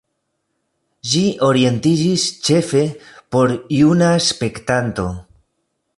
Ĝi orientiĝis ĉefe por juna spektanto.